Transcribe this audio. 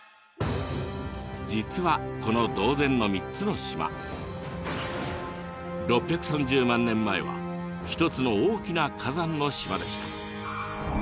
実はこの島前の３つの島６３０万年前は一つの大きな火山の島でした。